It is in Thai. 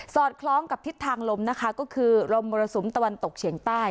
อดคล้องกับทิศทางลมนะคะก็คือลมมรสุมตะวันตกเฉียงใต้